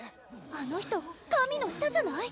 あの人神の舌じゃない？